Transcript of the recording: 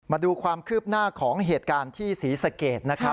มาดูความคืบหน้าของเหตุการณ์ที่ศรีสะเกดนะครับ